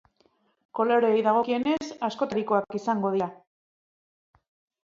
Koloreei dagokienez, askotarikoak izango dira.